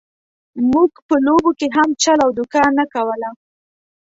موږ په لوبو کې هم چل او دوکه نه کوله.